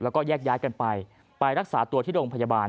แล้วก็แยกย้ายกันไปไปรักษาตัวที่โรงพยาบาล